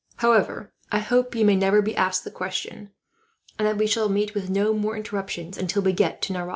However, I hope you may never be asked the question, and that we shall meet with no more interruptions until we get to Nerac.